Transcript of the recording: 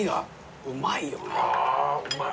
あうまい。